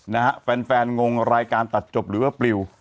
นะฮะแฟนแฟนงงรายการตัดจบหรือว่าปลิว